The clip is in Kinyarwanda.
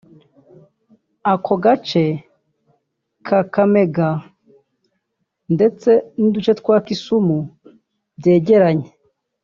Ako gace ka Kakamega ndetse n’uduce twa Kisumu byegeranye